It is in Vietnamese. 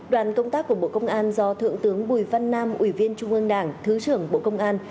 đoàn công tác của bộ công an do thượng tướng bùi văn nam ủy viên trung ương đảng thứ trưởng bộ công an